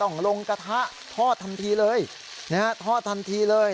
ต้องลงกระทะทอดทันทีเลยเนี่ยทอดทันทีเลย